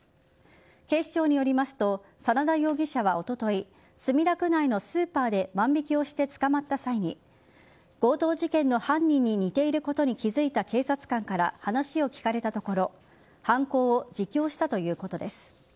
警視庁によりますと真田容疑者はおととい墨田区内のスーパーで万引きをして捕まった際に強盗事件の犯人に似ていることに気付いた警察官から話を聞かれたところ犯行を自供したということです。